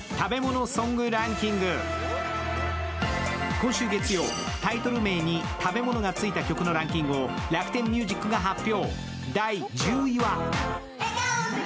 今週月曜、タイトル名に食べ物がついた曲のランキングをラクテンミュージックが発表。